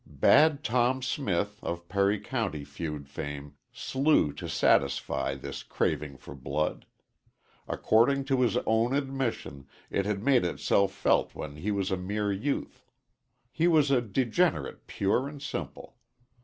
Bad Tom Smith, of Perry County feud fame, slew to satisfy this craving for blood. According to his own admission, it had made itself felt when he was a mere youth. He was a degenerate pure and simple.